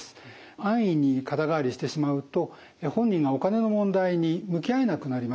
安易に肩代わりしてしまうと本人がお金の問題に向き合えなくなります。